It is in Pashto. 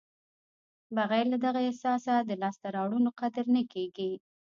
بغیر له دغه احساسه د لاسته راوړنو قدر نه کېږي.